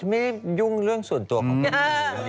ไม่ได้ยุ่งเรื่องส่วนตัวของวุดดี้